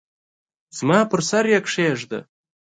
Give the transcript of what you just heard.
زما پر سر یې کښېږده !